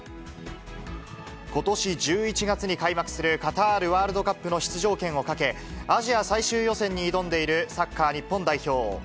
ことし１１月に開幕する、カタールワールドカップの出場権をかけ、アジア最終予選に挑んでいるサッカー日本代表。